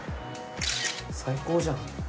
最高じゃん。